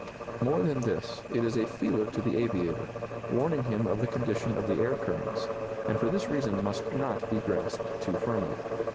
More than this, it is a feeler to the aviator, warning him of the condition of the air currents, and for this reason must not be grasped too firmly.